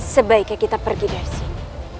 sebaiknya kita pergi dari sini